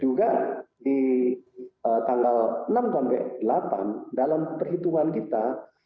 juga di tanggal enam sampai delapan dalam perhitungan kita